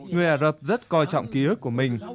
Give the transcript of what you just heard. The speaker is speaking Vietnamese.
người ả rập rất coi trọng ký ức của mình